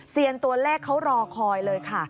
เซียนตัวเลขเขารอคอยเลยค่ะ